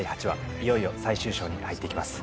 いよいよ最終章に入っていきます